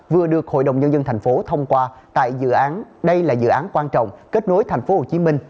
vừa được hội đồng nhân dân thành phố thông qua tại dự án đây là dự án quan trọng kết nối thành phố hồ chí minh